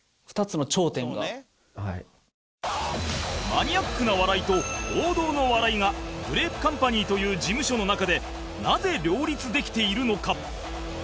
マニアックな笑いと王道の笑いがグレープカンパニーという事務所の中でなぜ両立できているのか？